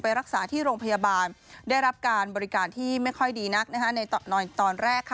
รักษาที่โรงพยาบาลได้รับการบริการที่ไม่ค่อยดีนักในตอนแรก